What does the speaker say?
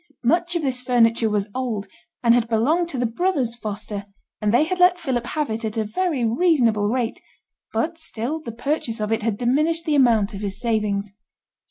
Much of this furniture was old, and had belonged to the brothers Foster, and they had let Philip have it at a very reasonable rate; but still the purchase of it had diminished the amount of his savings.